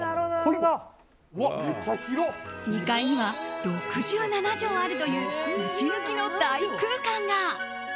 ２階には６７畳あるというぶち抜きの大空間が。